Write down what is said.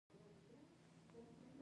قبر د ابدیت لومړی کور دی